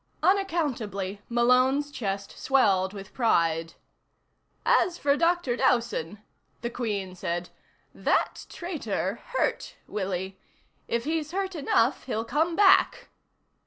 Unaccountably, Malone's chest swelled with pride. "As for Dr. Dowson," the Queen said, "that traitor hurt Willie. If he's hurt enough, he'll come back."